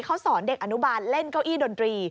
เขาสอนเด็กอนุบาลเล่นเก้าอี้ดนตรี